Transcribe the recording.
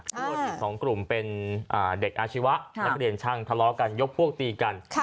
โทษอีก๒กลุ่มเป็นเด็กอาชีวะนักเรียนช่างทะเลาะกันยกพวกตีกัน